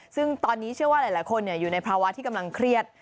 ซึ่งตอนนี้เชื่อว่าหลายคนอยู่ในภาวะที่กำลังเครียด